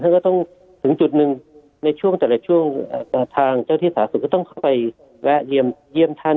ก็ต้องถึงจุดหนึ่งในช่วงแต่ละช่วงทางเจ้าที่สาธารณสุขก็ต้องเข้าไปแวะเยี่ยมท่าน